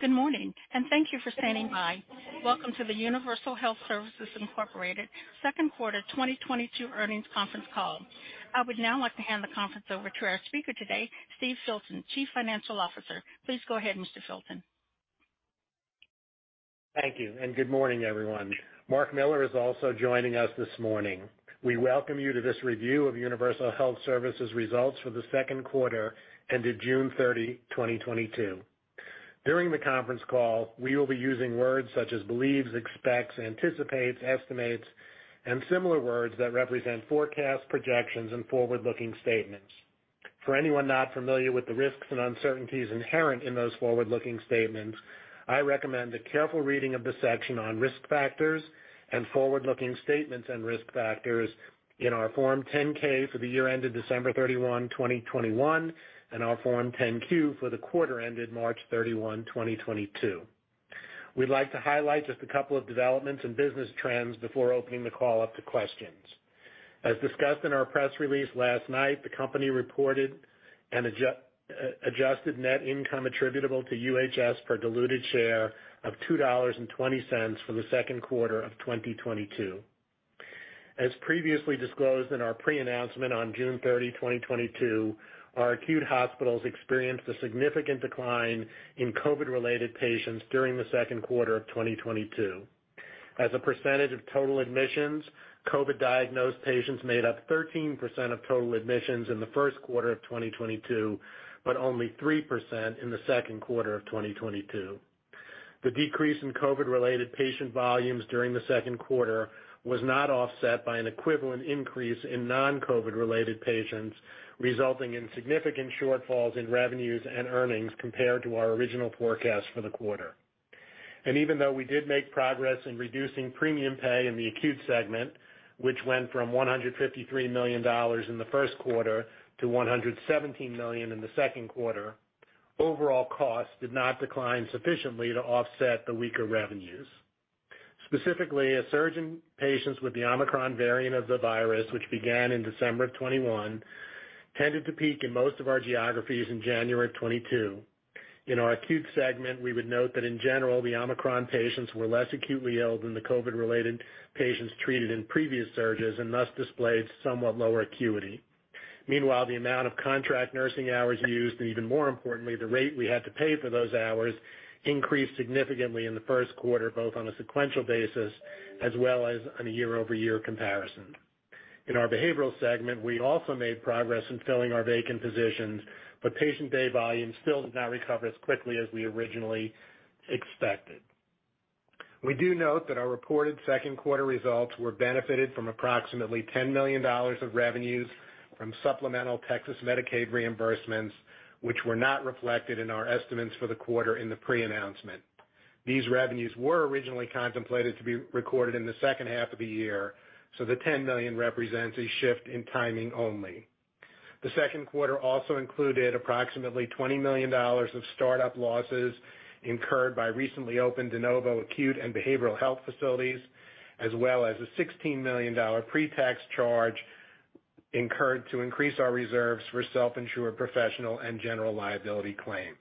Good morning, and thank you for standing by. Welcome to the Universal Health Services, Incorporated Second Quarter 2022 Earnings Conference Call. I would now like to hand the conference over to our speaker today, Steve Filton, Chief Financial Officer. Please go ahead, Mr. Filton. Thank you, and good morning, everyone. Marc D. Miller is also joining us this morning. We welcome you to this review of Universal Health Services results for the second quarter ended June 30, 2022. During the conference call, we will be using words such as believes, expects, anticipates, estimates, and similar words that represent forecasts, projections and forward-looking statements. For anyone not familiar with the risks and uncertainties inherent in those forward-looking statements, I recommend a careful reading of the section on risk factors and forward-looking statements and risk factors in our Form 10-K for the year ended December 31, 2021, and our Form 10-Q for the quarter ended March 31, 2022. We'd like to highlight just a couple of developments and business trends before opening the call up to questions. As discussed in our press release last night, the company reported an adjusted net income attributable to UHS per diluted share of $2.20 for the second quarter of 2022. As previously disclosed in our pre-announcement on June 30, 2022, our acute hospitals experienced a significant decline in COVID-related patients during the second quarter of 2022. As a percentage of total admissions, COVID-diagnosed patients made up 13% of total admissions in the first quarter of 2022, but only 3% in the second quarter of 2022. The decrease in COVID-related patient volumes during the second quarter was not offset by an equivalent increase in non-COVID-related patients, resulting in significant shortfalls in revenues and earnings compared to our original forecast for the quarter. Even though we did make progress in reducing premium pay in the acute segment, which went from $153 million in the first quarter to $117 million in the second quarter, overall costs did not decline sufficiently to offset the weaker revenues. Specifically, a surge in patients with the Omicron variant of the virus, which began in December 2021, tended to peak in most of our geographies in January 2022. In our acute segment, we would note that in general, the Omicron patients were less acutely ill than the COVID-related patients treated in previous surges and thus displayed somewhat lower acuity. Meanwhile, the amount of contract nursing hours used, and even more importantly, the rate we had to pay for those hours, increased significantly in the first quarter, both on a sequential basis as well as on a year-over-year comparison. In our behavioral segment, we also made progress in filling our vacant positions, but patient day volumes still did not recover as quickly as we originally expected. We do note that our reported second quarter results were benefited from approximately $10 million of revenues from supplemental Texas Medicaid reimbursements, which were not reflected in our estimates for the quarter in the pre-announcement. These revenues were originally contemplated to be recorded in the second half of the year, so the $10 million represents a shift in timing only. The second quarter also included approximately $20 million of startup losses incurred by recently opened de novo acute and behavioral health facilities, as well as a $16 million pre-tax charge incurred to increase our reserves for self-insured professional and general liability claims.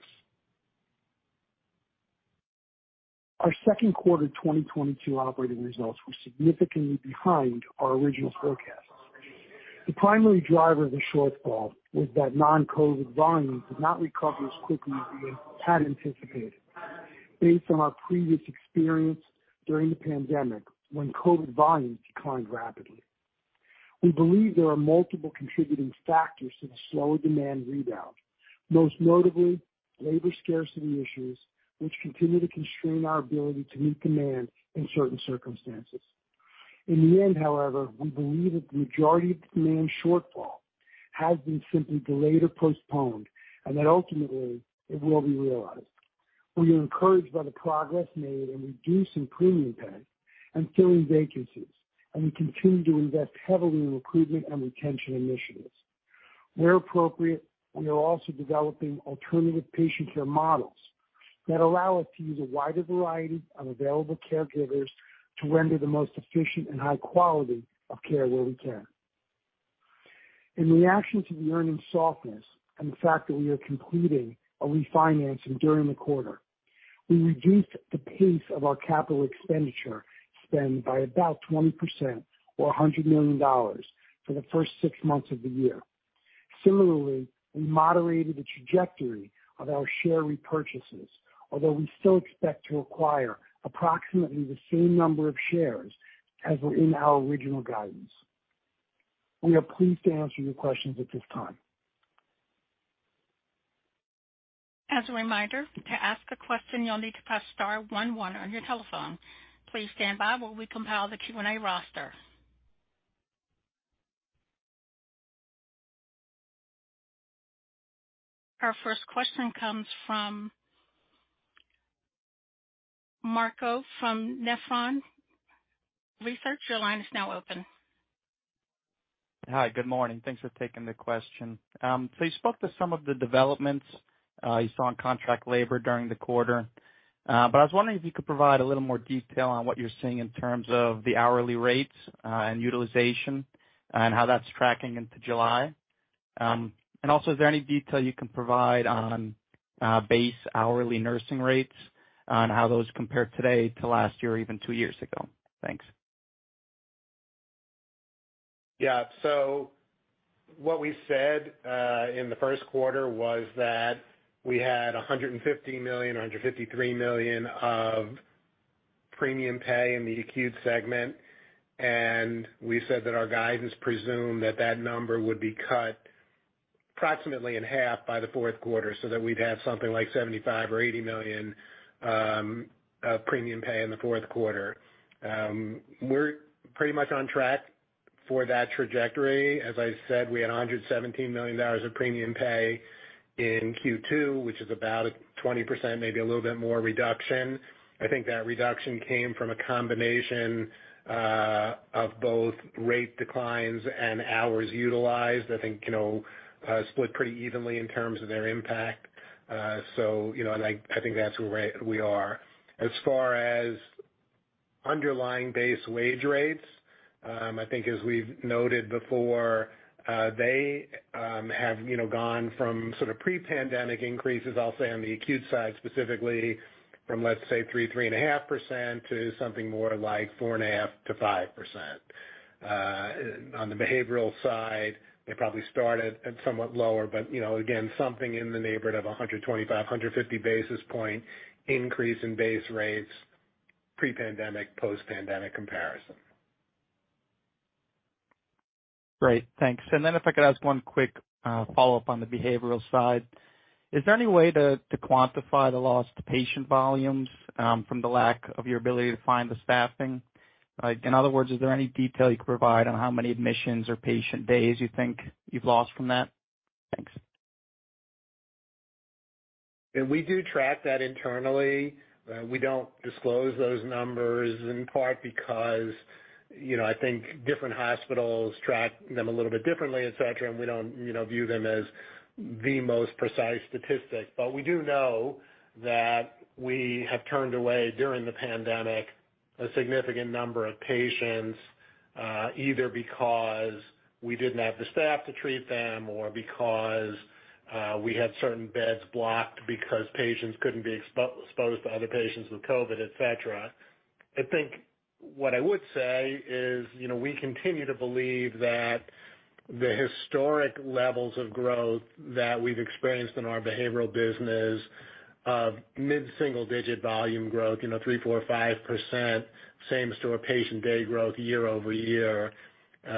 Our second quarter 2022 operating results were significantly behind our original forecasts. The primary driver of the shortfall was that non-COVID volumes did not recover as quickly as we had anticipated based on our previous experience during the pandemic when COVID volumes declined rapidly. We believe there are multiple contributing factors to the slower demand rebound, most notably labor scarcity issues, which continue to constrain our ability to meet demand in certain circumstances. In the end, however, we believe that the majority of demand shortfall has been simply delayed or postponed, and that ultimately it will be realized. We are encouraged by the progress made in reducing premium pay and filling vacancies, and we continue to invest heavily in recruitment and retention initiatives. Where appropriate, we are also developing alternative patient care models that allow us to use a wider variety of available caregivers to render the most efficient and high quality of care where we can. In reaction to the earnings softness and the fact that we are completing a refinancing during the quarter, we reduced the pace of our capital expenditure spend by about 20% or $100 million for the first six months of the year. Similarly, we moderated the trajectory of our share repurchases, although we still expect to acquire approximately the same number of shares as were in our original guidance. We are pleased to answer your questions at this time. As a reminder, to ask a question, you'll need to press star one one on your telephone. Please stand by while we compile the Q&A roster. Our first question comes from Marco from Nephron Research. Your line is now open. Hi, good morning. Thanks for taking the question. You spoke to some of the developments you saw in contract labor during the quarter. I was wondering if you could provide a little more detail on what you're seeing in terms of the hourly rates, and utilization and how that's tracking into July. Also, is there any detail you can provide on base hourly nursing rates on how those compare today to last year or even two years ago? Thanks. Yeah. What we said in the first quarter was that we had $150 million, $153 million of premium pay in the acute segment. We said that our guidance presumed that that number would be cut approximately in half by the fourth quarter, so that we'd have something like $75 million or $80 million premium pay in the fourth quarter. We're pretty much on track for that trajectory. As I said, we had $117 million of premium pay in Q2, which is about a 20%, maybe a little bit more reduction. I think that reduction came from a combination of both rate declines and hours utilized. I think, you know, split pretty evenly in terms of their impact. You know, I think that's where we are. As far as underlying base wage rates, I think as we've noted before, they have, you know, gone from sort of pre-pandemic increases, I'll say on the acute side, specifically from, let's say, 3%-3.5% to something more like 4.5%-5%. On the behavioral side, they probably started at somewhat lower but, you know, again, something in the neighborhood of 125 basis points-150 basis point increase in base rates, pre-pandemic, post-pandemic comparison. Great. Thanks. If I could ask one quick follow-up on the behavioral side. Is there any way to quantify the lost patient volumes from the lack of your ability to find the staffing? Like, in other words, is there any detail you could provide on how many admissions or patient days you think you've lost from that? Thanks. We do track that internally. We don't disclose those numbers, in part because, you know, I think different hospitals track them a little bit differently, et cetera, and we don't, you know, view them as the most precise statistic. We do know that we have turned away, during the pandemic, a significant number of patients, either because we didn't have the staff to treat them or because, we had certain beds blocked because patients couldn't be exposed to other patients with COVID, et cetera. I think what I would say is, you know, we continue to believe that the historic levels of growth that we've experienced in our behavioral business of mid-single digit volume growth, you know, 3%, 4%, 5% same-store patient day growth year-over-year,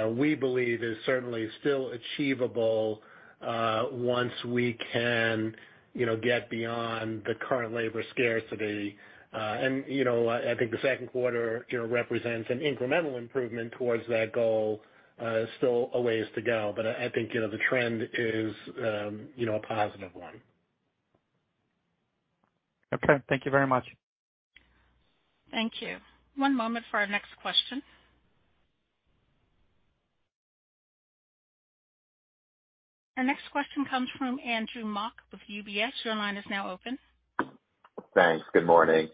we believe is certainly still achievable, once we can, you know, get beyond the current labor scarcity. I think the second quarter, you know, represents an incremental improvement towards that goal. Still a ways to go, but I think, you know, the trend is, you know, a positive one. Okay. Thank you very much. Thank you. One moment for our next question. Our next question comes from Andrew Mok with UBS. Your line is now open. Thanks. Good morning.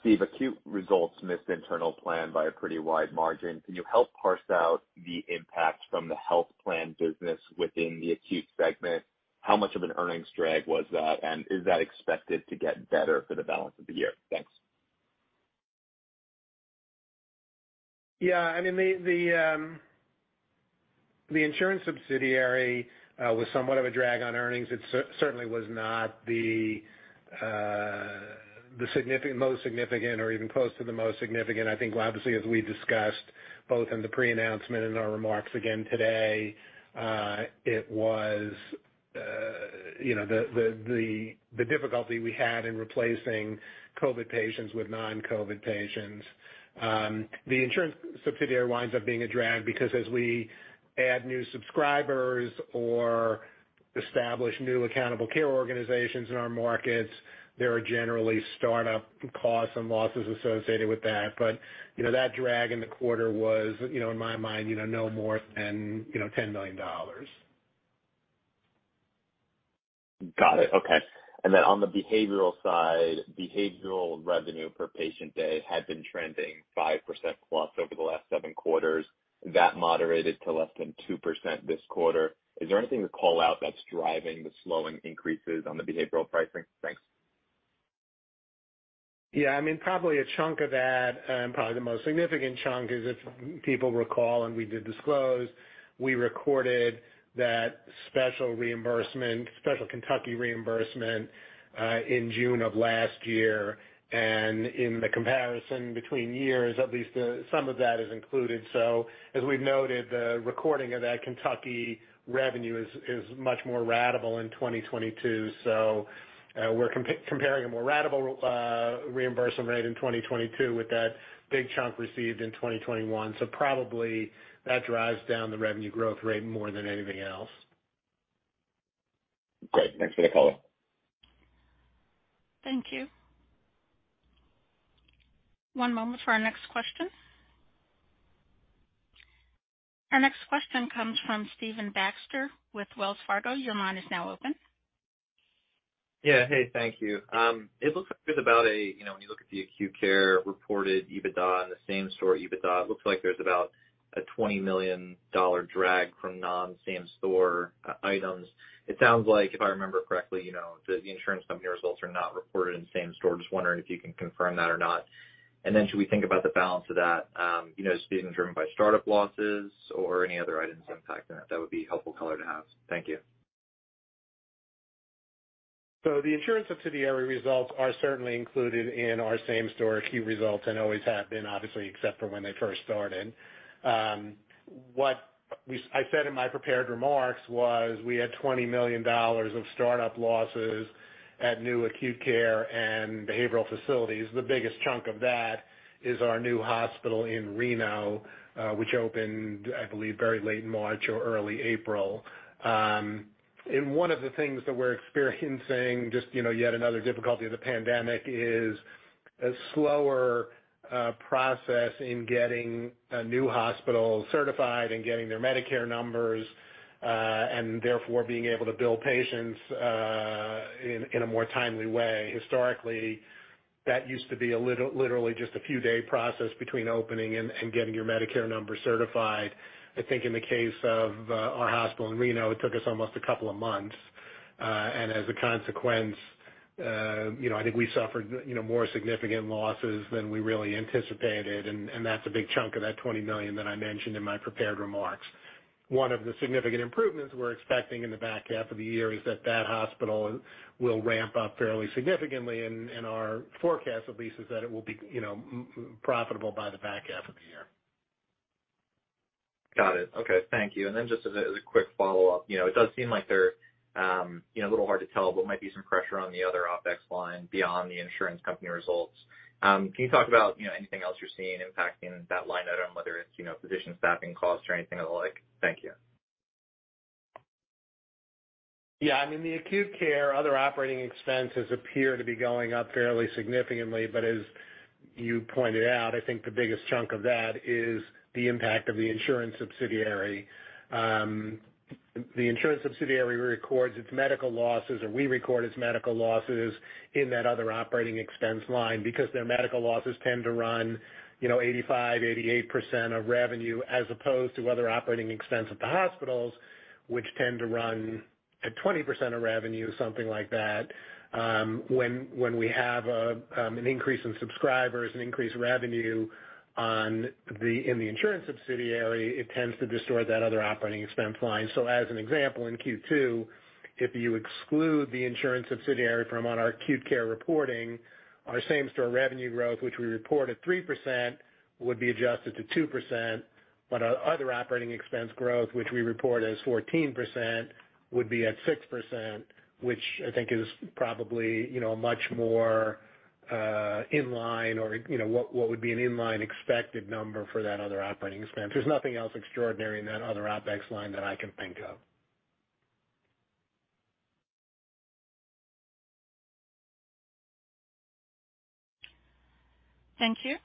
Steve, acute results missed internal plan by a pretty wide margin. Can you help parse out the impact from the health plan business within the acute segment? How much of an earnings drag was that? Is that expected to get better for the balance of the year? Thanks. Yeah. I mean, the insurance subsidiary was somewhat of a drag on earnings. It certainly was not the most significant or even close to the most significant. I think obviously as we discussed both in the pre-announcement and our remarks again today, it was, you know, the difficulty we had in replacing COVID patients with non-COVID patients. The insurance subsidiary winds up being a drag because as we add new subscribers or establish new accountable care organizations in our markets, there are generally startup costs and losses associated with that. You know, that drag in the quarter was, you know, in my mind, you know, no more than $10 million. Got it. Okay. On the behavioral side, behavioral revenue per patient day had been trending 5%+ over the last seven quarters. That moderated to less than 2% this quarter. Is there anything to call out that's driving the slowing increases on the behavioral pricing? Thanks. Yeah. I mean, probably a chunk of that, and probably the most significant chunk is, if people recall and we did disclose, we recorded that special reimbursement, special Kentucky reimbursement, in June of last year. In the comparison between years, at least, some of that is included. As we've noted, the recording of that Kentucky revenue is much more ratable in 2022. We're comparing a more ratable reimbursement rate in 2022 with that big chunk received in 2021. Probably that drives down the revenue growth rate more than anything else. Great. Thanks for the call. Thank you. One moment for our next question. Our next question comes from Stephen Baxter with Wells Fargo. Your line is now open. Yeah. Hey, thank you. It looks like there's about a, you know, when you look at the acute care reported EBITDA and the same-store EBITDA, it looks like there's about a $20 million drag from non-same-store items. It sounds like, if I remember correctly, you know, the insurance company results are not reported in same store. Just wondering if you can confirm that or not. Should we think about the balance of that, you know, as being driven by startup losses or any other items impacting it? That would be helpful color to have. Thank you. The insurance subsidiary results are certainly included in our same-store Q results and always have been, obviously, except for when they first started. What I said in my prepared remarks was we had $20 million of startup losses at new acute care and behavioral facilities. The biggest chunk of that is our new hospital in Reno, which opened, I believe, very late in March or early April. One of the things that we're experiencing, just, you know, yet another difficulty of the pandemic, is a slower process in getting a new hospital certified and getting their Medicare numbers and therefore, being able to bill patients in a more timely way. Historically, that used to be literally just a few day process between opening and getting your Medicare number certified. I think in the case of our hospital in Reno, it took us almost a couple of months. As a consequence, you know, I think we suffered, you know, more significant losses than we really anticipated, and that's a big chunk of that $20 million that I mentioned in my prepared remarks. One of the significant improvements we're expecting in the back half of the year is that hospital will ramp up fairly significantly, and our forecast at least is that it will be, you know, profitable by the back half of the year. Got it. Okay. Thank you. Just as a quick follow-up, you know, it does seem like there, you know, a little hard to tell, but might be some pressure on the other OpEx line beyond the insurance company results. Can you talk about, you know, anything else you're seeing impacting that line item, whether it's, you know, physician staffing costs or anything of the like? Thank you. Yeah. I mean, the acute care other operating expenses appear to be going up fairly significantly, but as you pointed out, I think the biggest chunk of that is the impact of the insurance subsidiary. The insurance subsidiary records its medical losses, or we record its medical losses in that other operating expense line because their medical losses tend to run, you know, 85%-88% of revenue, as opposed to other operating expense at the hospitals, which tend to run at 20% of revenue, something like that. When we have an increase in subscribers, an increase in revenue in the insurance subsidiary, it tends to distort that other operating expense line. As an example, in Q2, if you exclude the insurance subsidiary from on our acute care reporting, our same-store revenue growth, which we report at 3%, would be adjusted to 2%. Our other operating expense growth, which we report as 14%, would be at 6%, which I think is probably, you know, a much more in line or, you know, what would be an in-line expected number for that other operating expense. There's nothing else extraordinary in that other OpEx line that I can think of. Thank you.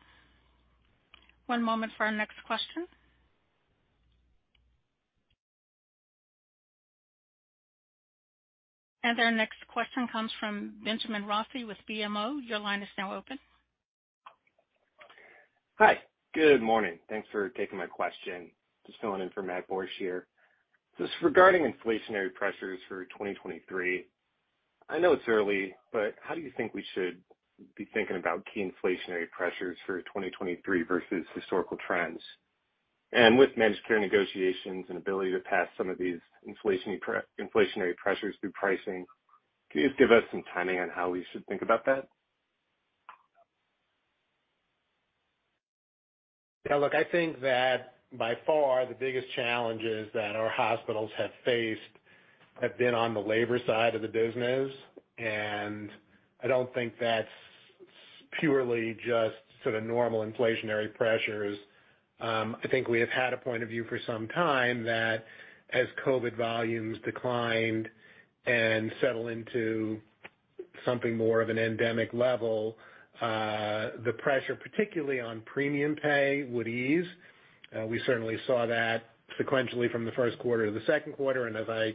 One moment for our next question. Our next question comes from Benjamin Rossi with BMO. Your line is now open. Hi. Good morning. Thanks for taking my question. Just filling in for Matthew Borsch here. Just regarding inflationary pressures for 2023, I know it's early, but how do you think we should be thinking about key inflationary pressures for 2023 versus historical trends? With managed care negotiations and ability to pass some of these inflationary pressures through pricing, can you just give us some timing on how we should think about that? Yeah, look, I think that by far the biggest challenges that our hospitals have faced have been on the labor side of the business, and I don't think that's purely just sort of normal inflationary pressures. I think we have had a point of view for some time that as COVID volumes declined and settle into something more of an endemic level, the pressure, particularly on premium pay, would ease. We certainly saw that sequentially from the first quarter to the second quarter, and as I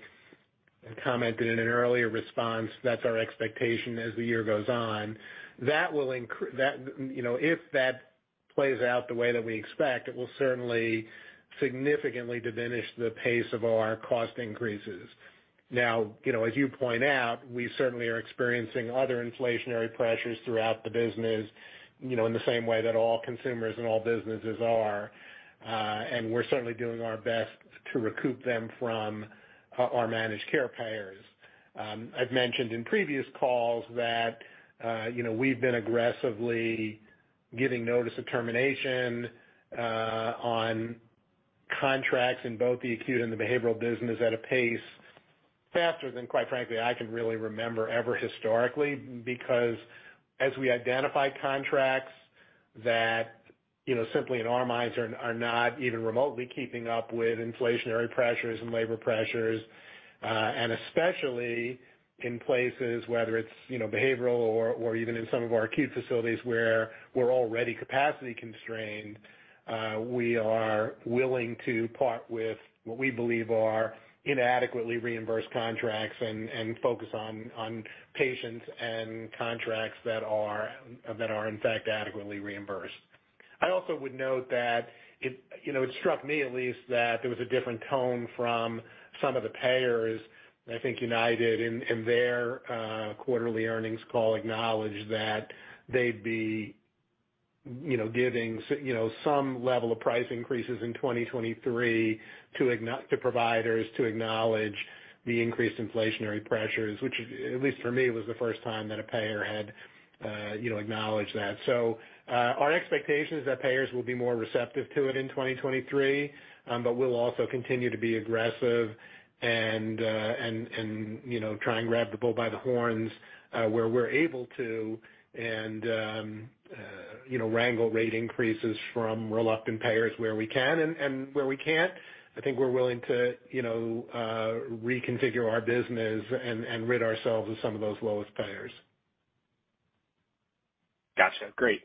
commented in an earlier response, that's our expectation as the year goes on. That, you know, if that plays out the way that we expect, it will certainly significantly diminish the pace of our cost increases. Now, you know, as you point out, we certainly are experiencing other inflationary pressures throughout the business, you know, in the same way that all consumers and all businesses are. We're certainly doing our best to recoup them from our managed care payers. I've mentioned in previous calls that, you know, we've been aggressively giving notice of termination on contracts in both the acute and the behavioral business at a pace faster than, quite frankly, I can really remember ever historically. Because as we identify contracts that, you know, simply in our minds are not even remotely keeping up with inflationary pressures and labor pressures, and especially in places, whether it's, you know, behavioral or even in some of our acute facilities where we're already capacity constrained, we are willing to part with what we believe are inadequately reimbursed contracts and focus on patients and contracts that are, in fact, adequately reimbursed. I also would note that it, you know, it struck me at least that there was a different tone from some of the payers. I think UnitedHealth Group in their quarterly earnings call acknowledged that they'd be giving some level of price increases in 2023 to providers to acknowledge the increased inflationary pressures, which at least for me was the first time that a payer had acknowledged that. Our expectation is that payers will be more receptive to it in 2023, but we'll also continue to be aggressive and you know try and grab the bull by the horns where we're able to and you know wrangle rate increases from reluctant payers where we can and where we can't I think we're willing to you know reconfigure our business and rid ourselves of some of those lowest payers. Gotcha. Great.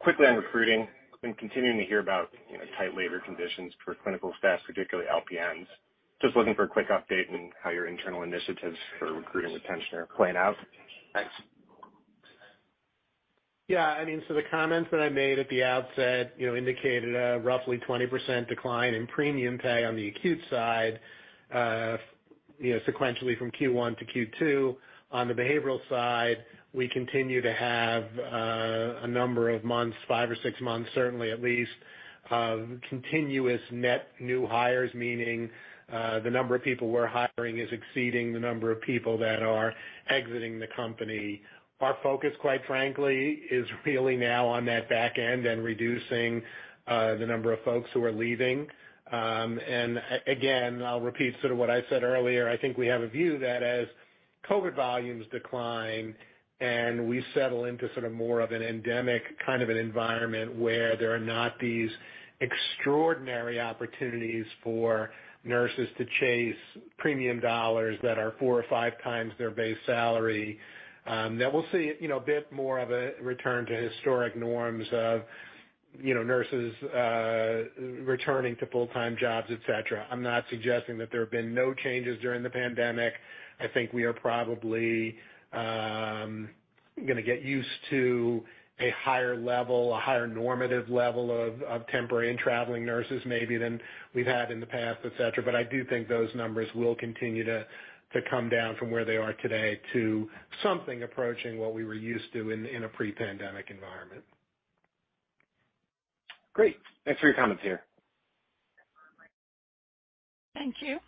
Quickly on recruiting. Been continuing to hear about, you know, tight labor conditions for clinical staff, particularly LPNs. Just looking for a quick update on how your internal initiatives for recruiting retention are playing out. Thanks. Yeah, I mean, the comments that I made at the outset, you know, indicated a roughly 20% decline in premium pay on the acute side, you know, sequentially from Q1-Q2. On the behavioral side, we continue to have a number of months, five or six months, certainly at least, continuous net new hires, meaning the number of people we're hiring is exceeding the number of people that are exiting the company. Our focus, quite frankly, is really now on that back end and reducing the number of folks who are leaving. Again, I'll repeat sort of what I said earlier. I think we have a view that as COVID volumes decline and we settle into sort of more of an endemic kind of an environment where there are not these extraordinary opportunities for nurses to chase premium dollars that are 4x or 5x their base salary, that we'll see, you know, a bit more of a return to historic norms of, you know, nurses returning to full-time jobs, et cetera. I'm not suggesting that there have been no changes during the pandemic. I think we are probably gonna get used to a higher level, a higher normative level of temporary and traveling nurses maybe than we've had in the past, et cetera. I do think those numbers will continue to come down from where they are today to something approaching what we were used to in a pre-pandemic environment. Great. Thanks for your comments here. Thank you.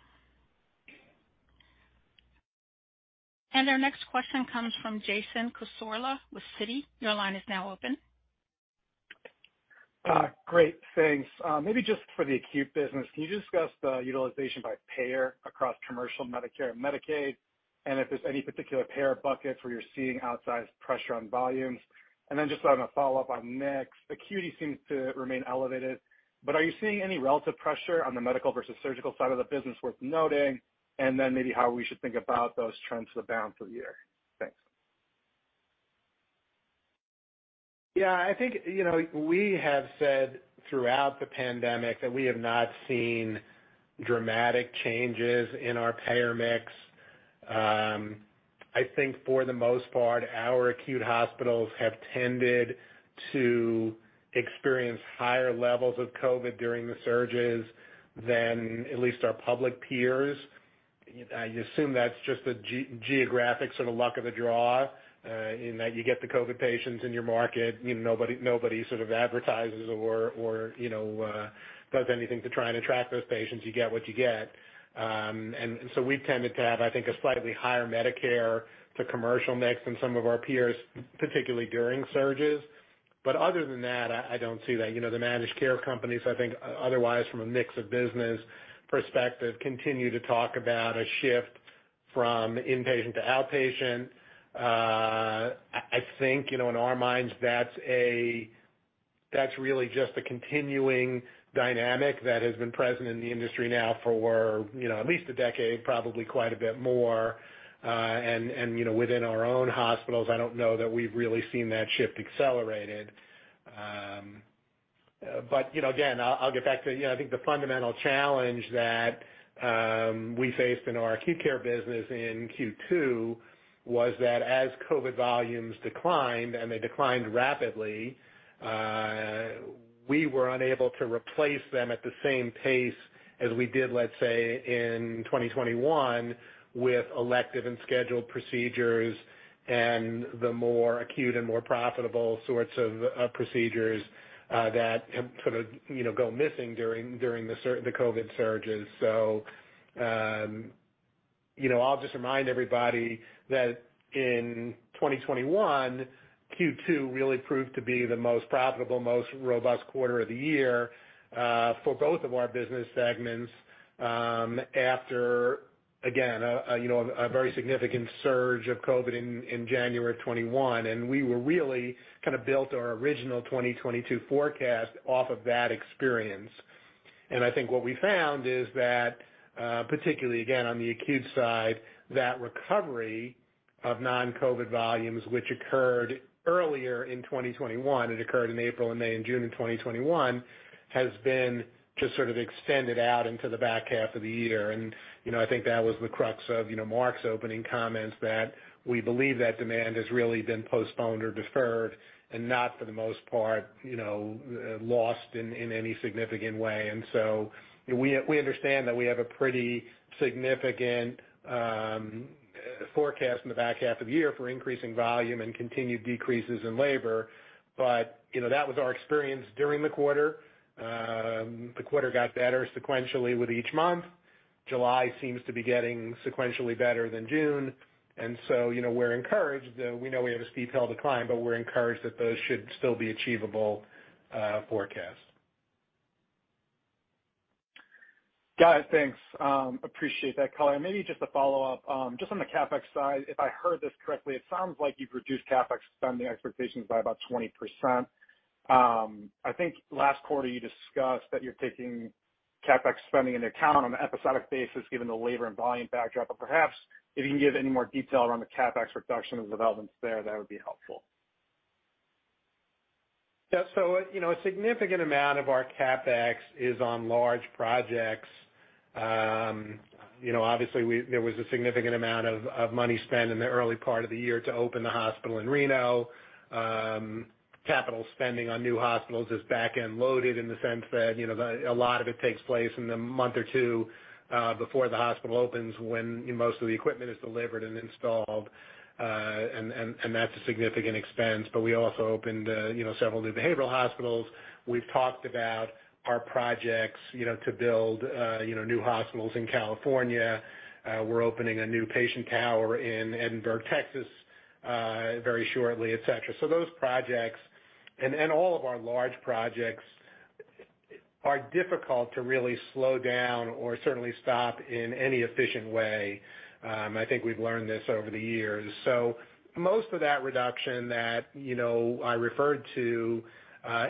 Our next question comes from Jason Cassorla with Citi. Your line is now open. Great. Thanks. Maybe just for the acute business, can you discuss the utilization by payer across commercial Medicare and Medicaid, and if there's any particular payer buckets where you're seeing outsized pressure on volumes? Just on a follow-up on mix, acuity seems to remain elevated, but are you seeing any relative pressure on the medical versus surgical side of the business worth noting? Maybe how we should think about those trends for the balance of the year. Thanks. Yeah, I think, you know, we have said throughout the pandemic that we have not seen dramatic changes in our payer mix. I think for the most part, our acute hospitals have tended to experience higher levels of COVID during the surges than at least our public peers. I assume that's just a geographic sort of luck of the draw, in that you get the COVID patients in your market. You know, nobody sort of advertises or, you know, does anything to try and attract those patients. You get what you get. We've tended to have, I think, a slightly higher Medicare to commercial mix than some of our peers, particularly during surges. Other than that, I don't see that. You know, the managed care companies, I think otherwise from a mix of business perspective, continue to talk about a shift from inpatient to outpatient. I think, you know, in our minds, that's really just a continuing dynamic that has been present in the industry now for, you know, at least a decade, probably quite a bit more. You know, within our own hospitals, I don't know that we've really seen that shift accelerated. You know, again, I'll get back to, you know, I think the fundamental challenge that we faced in our acute care business in Q2 was that as COVID volumes declined, and they declined rapidly, we were unable to replace them at the same pace as we did, let's say, in 2021 with elective and scheduled procedures and the more acute and more profitable sorts of procedures that sort of, you know, go missing during the COVID surges. You know, I'll just remind everybody that in 2021, Q2 really proved to be the most profitable, most robust quarter of the year for both of our business segments after, again, a you know a very significant surge of COVID in January of 2021. We were really kind of built our original 2022 forecast off of that experience. I think what we found is that, particularly again, on the acute side, that recovery of non-COVID volumes, which occurred earlier in 2021. It occurred in April and May and June of 2021, has been just sort of extended out into the back half of the year. You know, I think that was the crux of, you know, Mark's opening comments that we believe that demand has really been postponed or deferred and not, for the most part, you know, lost in any significant way. We understand that we have a pretty significant forecast in the back half of the year for increasing volume and continued decreases in labor. You know, that was our experience during the quarter. The quarter got better sequentially with each month. July seems to be getting sequentially better than June, and so, you know, we're encouraged. We know we have a steep hill to climb, but we're encouraged that those should still be achievable forecasts. Got it. Thanks. Appreciate that color. Maybe just a follow-up. Just on the CapEx side, if I heard this correctly, it sounds like you've reduced CapEx spending expectations by about 20%. I think last quarter you discussed that you're taking CapEx spending into account on an episodic basis given the labor and volume backdrop. Perhaps if you can give any more detail around the CapEx reduction and the developments there, that would be helpful. Yeah. You know, a significant amount of our CapEx is on large projects. You know, obviously, there was a significant amount of money spent in the early part of the year to open the hospital in Reno. Capital spending on new hospitals is back-end loaded in the sense that, you know, a lot of it takes place in the month or two before the hospital opens, when most of the equipment is delivered and installed. And that's a significant expense. We also opened, you know, several new behavioral hospitals. We've talked about our projects, you know, to build, you know, new hospitals in California. We're opening a new patient tower in Edinburg, Texas, very shortly, et cetera. Those projects and all of our large projects are difficult to really slow down or certainly stop in any efficient way. I think we've learned this over the years. Most of that reduction that you know I referred to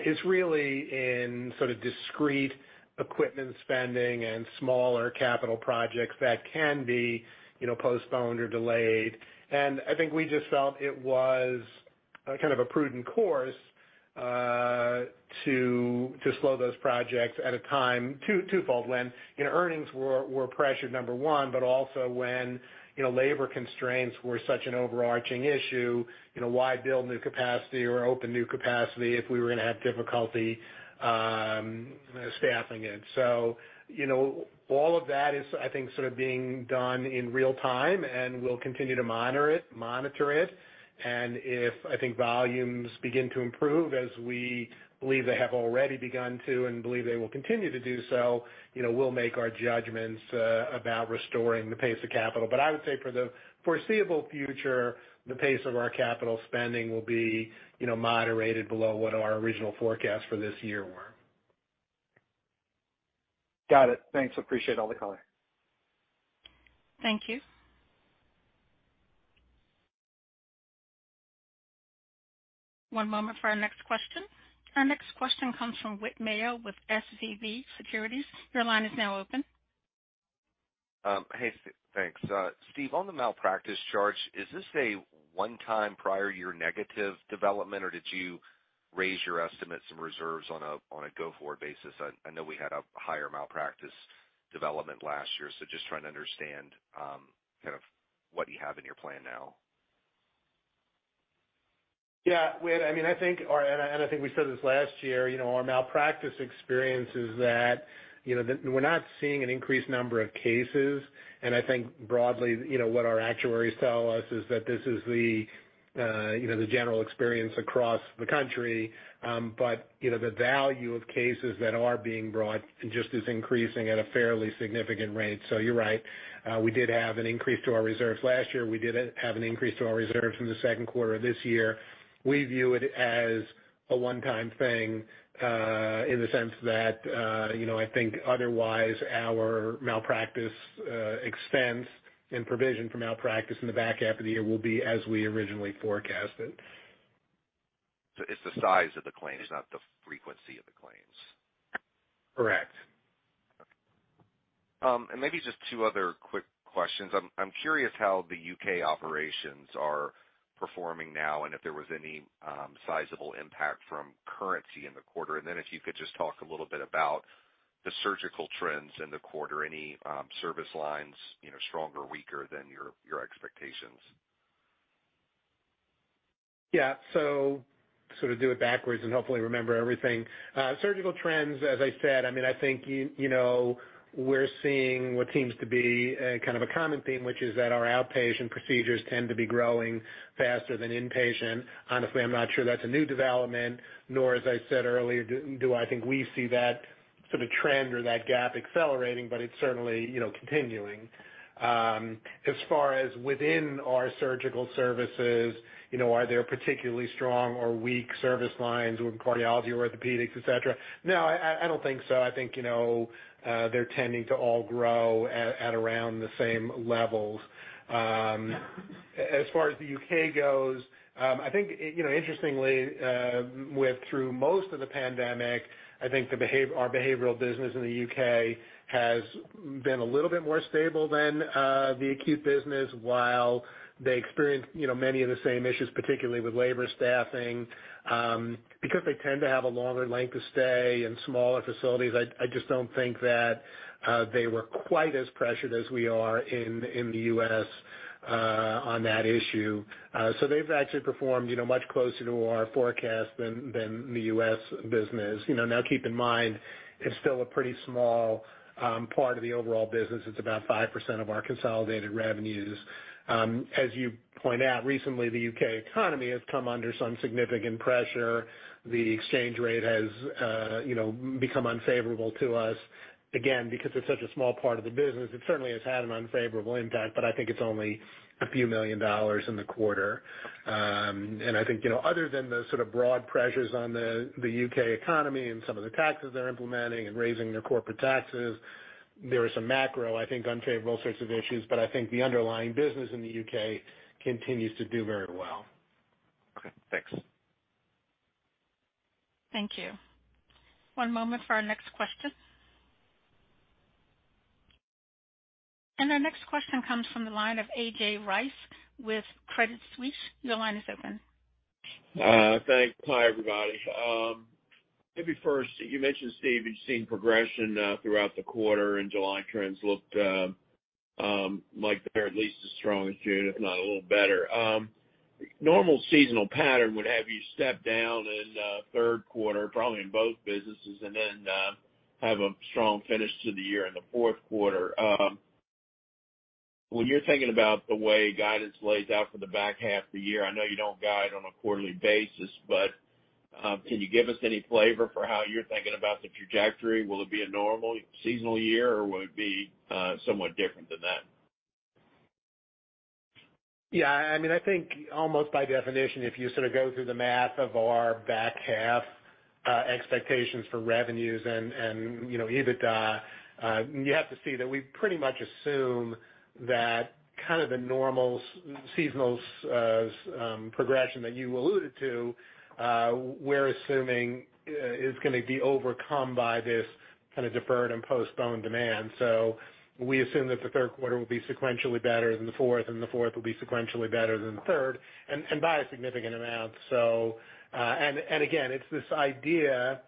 is really in sort of discrete equipment spending and smaller capital projects that can be you know postponed or delayed. I think we just felt it was kind of a prudent course to slow those projects twofold when you know earnings were pressured, number one, but also when you know labor constraints were such an overarching issue, you know why build new capacity or open new capacity if we were gonna have difficulty staffing it? You know, all of that is, I think, sort of being done in real time, and we'll continue to monitor it. If I think volumes begin to improve, as we believe they have already begun to and believe they will continue to do so, you know, we'll make our judgments about restoring the pace of capital. I would say for the foreseeable future, the pace of our capital spending will be, you know, moderated below what our original forecasts for this year were. Got it. Thanks. Appreciate all the color. Thank you. One moment for our next question. Our next question comes from Whit Mayo with SVB Securities. Your line is now open. Hey. Thanks. Steve, on the malpractice charge, is this a one-time prior year negative development, or did you raise your estimates and reserves on a go-forward basis? I know we had a higher malpractice development last year, so just trying to understand kind of what you have in your plan now. Yeah. Whit, I mean, I think we said this last year, you know, our malpractice experience is that, you know, we're not seeing an increased number of cases. I think broadly, you know, what our actuaries tell us is that this is the, you know, the general experience across the country. You know, the value of cases that are being brought just is increasing at a fairly significant rate. You're right. We did have an increase to our reserves last year. We did have an increase to our reserves in the second quarter of this year. We view it as a one-time thing, in the sense that, you know, I think otherwise our malpractice, expense and provision for malpractice in the back half of the year will be as we originally forecasted. It's the size of the claims, not the frequency of the claims? Correct. Okay. Maybe just two other quick questions. I'm curious how the U.K. operations are performing now and if there was any sizable impact from currency in the quarter. If you could just talk a little bit about the surgical trends in the quarter. Any service lines, you know, stronger or weaker than your expectations? Yeah. Sort of do it backwards and hopefully remember everything. Surgical trends, as I said, I mean, I think, you know, we're seeing what seems to be a kind of a common theme, which is that our outpatient procedures tend to be growing faster than inpatient. Honestly, I'm not sure that's a new development, nor, as I said earlier, do I think we see that for the trend or that gap accelerating, but it's certainly, you know, continuing. As far as within our surgical services, you know, are there particularly strong or weak service lines with cardiology, orthopedics, et cetera? No, I don't think so. I think, you know, they're tending to all grow at around the same levels. As far as the U.K. goes, I think, you know, interestingly, through most of the pandemic, I think our behavioral business in the U.K. has been a little bit more stable than the acute business, while they experience, you know, many of the same issues, particularly with labor staffing, because they tend to have a longer length of stay and smaller facilities. I just don't think that they were quite as pressured as we are in the U.S. on that issue. So they've actually performed, you know, much closer to our forecast than the U.S. business. You know, now keep in mind, it's still a pretty small part of the overall business. It's about 5% of our consolidated revenues. As you point out, recently, the U.K. economy has come under some significant pressure. The exchange rate has, you know, become unfavorable to us. Again, because it's such a small part of the business, it certainly has had an unfavorable impact, but I think it's only a few million dollars in the quarter. I think, you know, other than the sort of broad pressures on the U.K. economy and some of the taxes they're implementing and raising their corporate taxes, there are some macro, I think, unfavorable sorts of issues. I think the underlying business in the U.K. continues to do very well. Okay, thanks. Thank you. One moment for our next question. Our next question comes from the line of A.J. Rice with Credit Suisse. Your line is open. Thanks. Hi, everybody. Maybe first, you mentioned, Steve, you've seen progression throughout the quarter, and July trends looked like they're at least as strong as June, if not a little better. Normal seasonal pattern would have you step down in third quarter, probably in both businesses, and then have a strong finish to the year in the fourth quarter. When you're thinking about the way guidance lays out for the back half of the year, I know you don't guide on a quarterly basis, but can you give us any flavor for how you're thinking about the trajectory? Will it be a normal seasonal year, or will it be somewhat different than that? Yeah, I mean, I think almost by definition, if you sort of go through the math of our back half, expectations for revenues and, you know, EBITDA, you have to see that we pretty much assume that kind of the normal seasonal progression that you alluded to. We're assuming is gonna be overcome by this kind of deferred and postponed demand. We assume that the third quarter will be sequentially better than the fourth, and the fourth will be sequentially better than the third, and by a significant amount. Again, it's this idea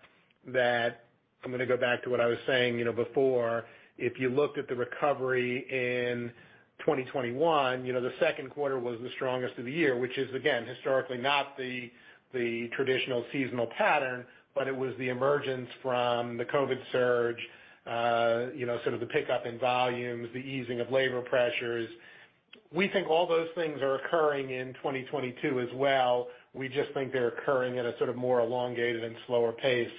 that I'm gonna go back to what I was saying, you know, before. If you looked at the recovery in 2021, you know, the second quarter was the strongest of the year, which is, again, historically not the traditional seasonal pattern, but it was the emergence from the COVID surge, you know, sort of the pickup in volumes, the easing of labor pressures. We think all those things are occurring in 2022 as well. We just think they're occurring at a sort of more elongated and slower pace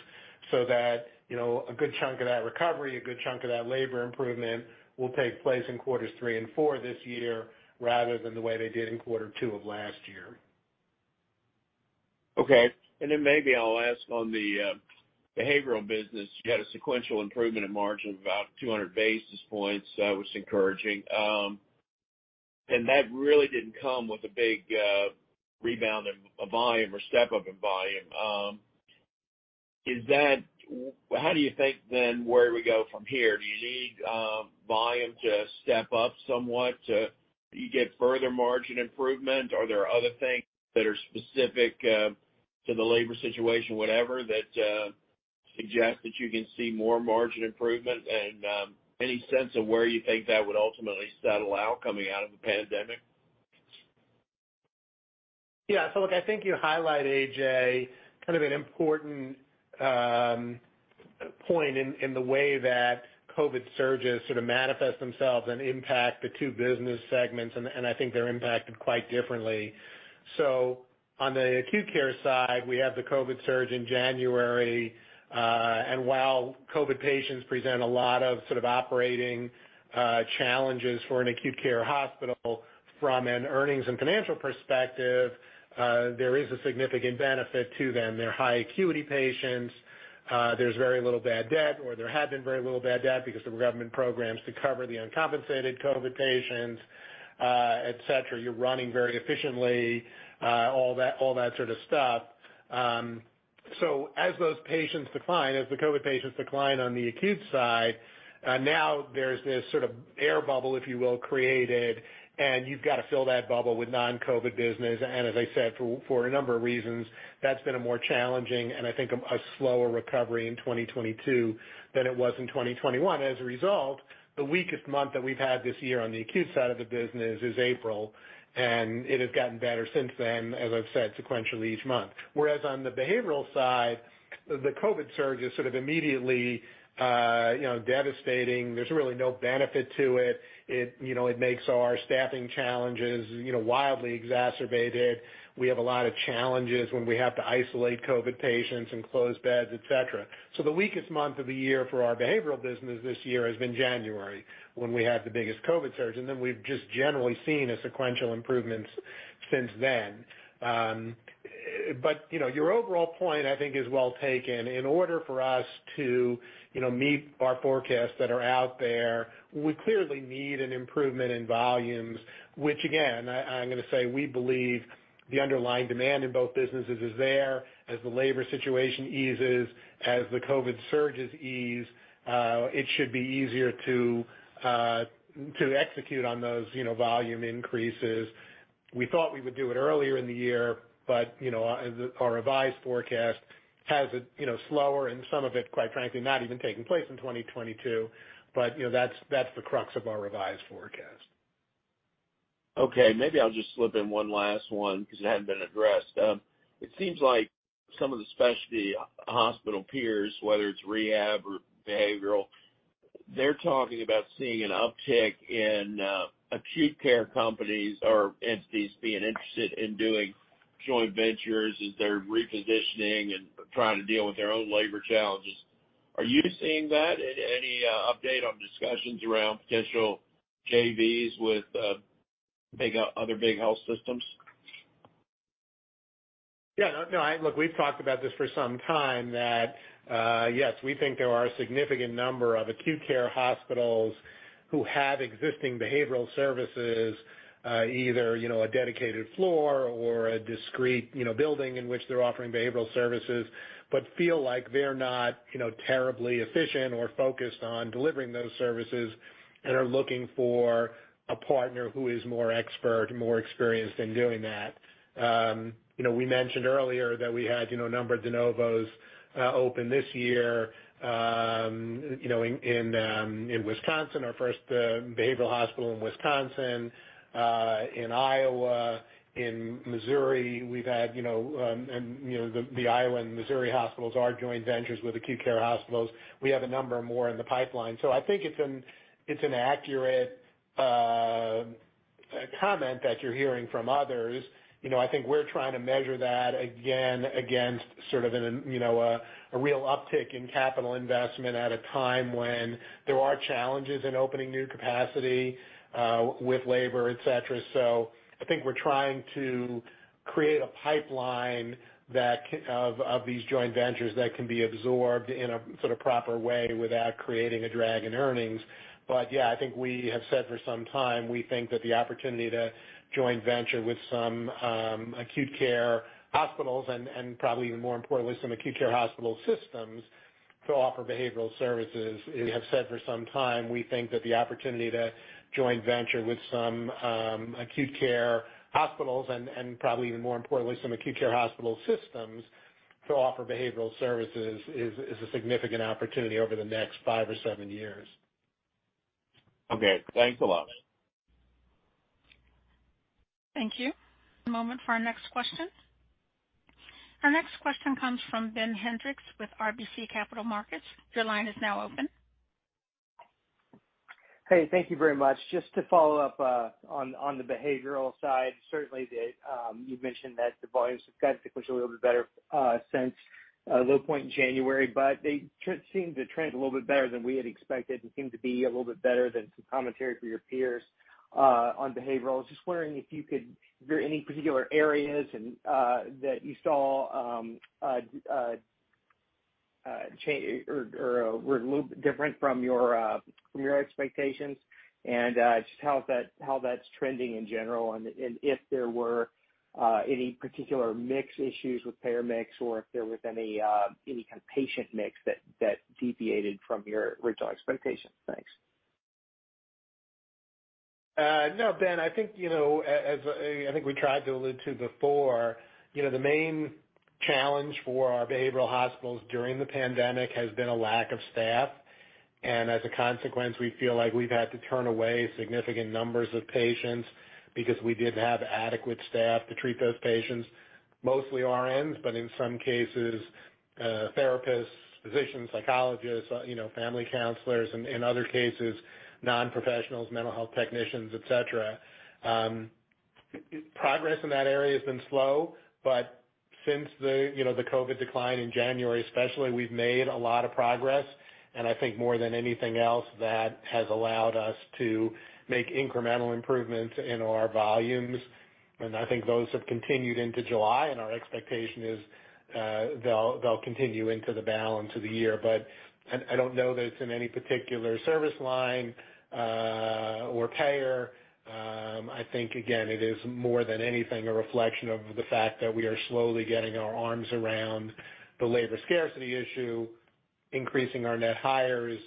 so that, you know, a good chunk of that recovery, a good chunk of that labor improvement will take place in quarters three and four this year rather than the way they did in quarter two of last year. Okay. Then maybe I'll ask on the behavioral business. You had a sequential improvement in margin of about 200 basis points, which is encouraging. That really didn't come with a big rebound in volume or step-up in volume. How do you think then where we go from here? Do you need volume to step up somewhat to get further margin improvement? Are there other things that are specific to the labor situation, whatever, that suggest that you can see more margin improvement? Any sense of where you think that would ultimately settle out coming out of the pandemic? Yeah. Look, I think you highlight, A.J., kind of an important point in the way that COVID surges sort of manifest themselves and impact the two business segments, and I think they're impacted quite differently. On the acute care side, we have the COVID surge in January, and while COVID patients present a lot of sort of operating challenges for an acute care hospital from an earnings and financial perspective, there is a significant benefit to them. They're high acuity patients. There's very little bad debt, or there had been very little bad debt because there were government programs to cover the uncompensated COVID patients, et cetera. You're running very efficiently, all that sort of stuff. As those patients decline, as the COVID patients decline on the acute side, now there's this sort of air bubble, if you will, created, and you've got to fill that bubble with non-COVID business. As I said, for a number of reasons, that's been a more challenging and I think a slower recovery in 2022 than it was in 2021. As a result, the weakest month that we've had this year on the acute side of the business is April, and it has gotten better since then, as I've said, sequentially each month. Whereas on the behavioral side, the COVID surge has sort of immediately, you know, devastating. There's really no benefit to it. It, you know, it makes our staffing challenges, you know, wildly exacerbated. We have a lot of challenges when we have to isolate COVID patients and close beds, et cetera. The weakest month of the year for our behavioral business this year has been January, when we had the biggest COVID surge, and then we've just generally seen a sequential improvements since then. You know, your overall point, I think is well taken. In order for us to, you know, meet our forecasts that are out there, we clearly need an improvement in volumes, which again, I'm gonna say we believe the underlying demand in both businesses is there. As the labor situation eases, as the COVID surges ease, it should be easier to execute on those, you know, volume increases. We thought we would do it earlier in the year, but, you know, our revised forecast has it, you know, slower and some of it, quite frankly, not even taking place in 2022. You know, that's the crux of our revised forecast. Okay, maybe I'll just slip in one last one because it hadn't been addressed. It seems like some of the specialty hospital peers, whether it's rehab or behavioral, they're talking about seeing an uptick in acute care companies or entities being interested in doing joint ventures as they're repositioning and trying to deal with their own labor challenges. Are you seeing that? Any update on discussions around potential JVs with other big health systems? Yeah. No, no, Look, we've talked about this for some time that, yes, we think there are a significant number of acute care hospitals who have existing behavioral services, either, you know, a dedicated floor or a discrete, you know, building in which they're offering behavioral services, but feel like they're not, you know, terribly efficient or focused on delivering those services, and are looking for a partner who is more expert and more experienced in doing that. You know, we mentioned earlier that we had, you know, a number of de novos open this year, you know, in Wisconsin, our first behavioral hospital in Wisconsin, in Iowa, in Missouri. We've had, you know, and, you know, the Iowa and Missouri hospitals are joint ventures with acute care hospitals. We have a number more in the pipeline. I think it's an accurate comment that you're hearing from others. You know, I think we're trying to measure that again, against sort of a real uptick in capital investment at a time when there are challenges in opening new capacity with labor, et cetera. I think we're trying to create a pipeline that of these joint ventures that can be absorbed in a sort of proper way without creating a drag in earnings. Yeah, I think we have said for some time, we think that the opportunity to joint venture with some acute care hospitals and probably even more importantly, some acute care hospital systems to offer behavioral services. We have said for some time, we think that the opportunity to joint venture with some, acute care hospitals and, probably even more importantly, some acute care hospital systems to offer behavioral services is a significant opportunity over the next five or seven years. Okay. Thanks a lot. Thank you. One moment for our next question. Our next question comes from Ben Hendrix with RBC Capital Markets. Your line is now open. Hey, thank you very much. Just to follow up on the behavioral side, certainly you've mentioned that the volumes have got sequentially a little bit better since the low point in January, but they seem to trend a little bit better than we had expected and seem to be a little bit better than some commentary from your peers on behavioral. Just wondering if you could if there are any particular areas that you saw or were a little bit different from your expectations. Just how that's trending in general, and if there were any particular mix issues with payer mix or if there was any kind of patient mix that deviated from your original expectations. Thanks. No, Ben, I think, you know, as I think we tried to allude to before, you know, the main challenge for our behavioral hospitals during the pandemic has been a lack of staff. As a consequence, we feel like we've had to turn away significant numbers of patients because we didn't have adequate staff to treat those patients, mostly RNs, but in some cases, therapists, physicians, psychologists, you know, family counselors, and in other cases, non-professionals, mental health technicians, et cetera. Progress in that area has been slow, but since the, you know, the COVID decline in January especially, we've made a lot of progress. I think more than anything else that has allowed us to make incremental improvements in our volumes. I think those have continued into July, and our expectation is, they'll continue into the balance of the year. I don't know that it's in any particular service line, or payer. I think again, it is more than anything, a reflection of the fact that we are slowly getting our arms around the labor scarcity issue, increasing our net hires,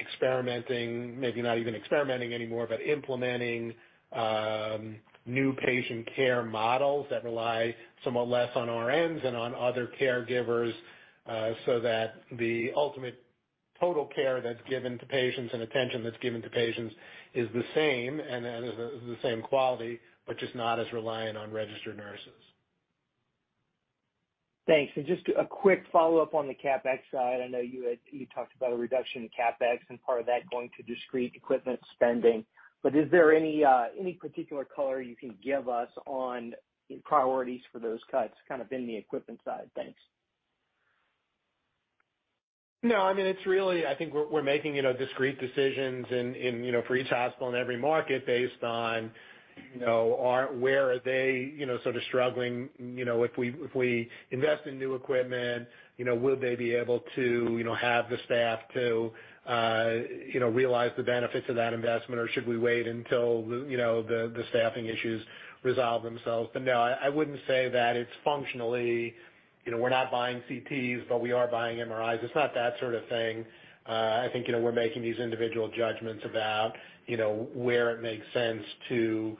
experimenting, maybe not even experimenting anymore, but implementing, new patient care models that rely somewhat less on RNs and on other caregivers, so that the ultimate total care that's given to patients and attention that's given to patients is the same and is the same quality, but just not as reliant on registered nurses. Thanks. Just a quick follow-up on the CapEx side. I know you talked about a reduction in CapEx and part of that going to discrete equipment spending. Is there any particular color you can give us on the priorities for those cuts kind of in the equipment side? Thanks. No, I mean, it's really, I think we're making, you know, discrete decisions in, you know, for each hospital in every market based on, you know, where are they, you know, sort of struggling, you know, if we invest in new equipment, you know, will they be able to, you know, have the staff to, you know, realize the benefits of that investment, or should we wait until the, you know, the staffing issues resolve themselves? No, I wouldn't say that it's functionally, you know, we're not buying CTs, but we are buying MRIs. It's not that sort of thing. I think, you know, we're making these individual judgments about, you know, where it makes sense to